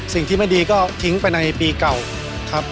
สิ่งที่ไม่ดีก็ทิ้งไปในปีเก่าครับ